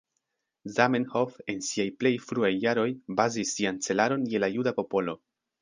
Zamenhof, en siaj plej fruaj jaroj, bazis sian celaron je la juda popolo.